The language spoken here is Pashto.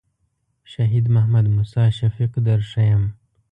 شهید محمد موسی شفیق در ښیم.